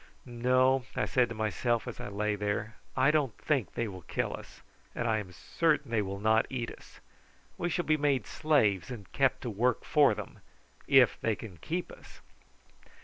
"No," I said to myself as I lay there, "I don't think they will kill us, and I am certain they will not eat us. We shall be made slaves and kept to work for them if they can keep us!"